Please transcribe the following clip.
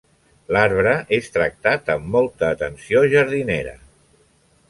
L'arbre és tractat amb molta atenció jardinera.